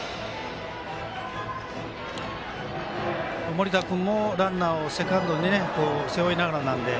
盛田君もランナーをセカンドに背負いながらなんで。